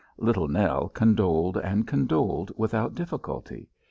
Little Nell condoled and condoled without difficulty.